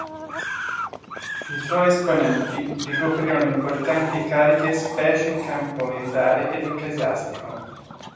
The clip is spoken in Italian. I suoi esponenti ricoprirono importanti cariche specie in campo militare ed ecclesiastico.